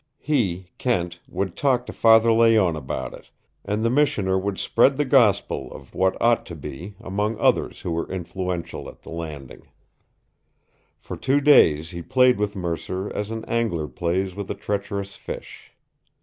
He, Kent, would talk to Father Layonne about it, and the missioner would spread the gospel of what ought to be among others who were influential at the Landing. For two days he played with Mercer as an angler plays with a treacherous fish.